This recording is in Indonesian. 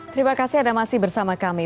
terima kasih anda masih bersama kami